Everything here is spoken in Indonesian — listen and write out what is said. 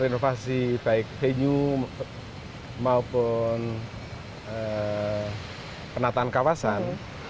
renovasi baik venue maupun penataan kawasan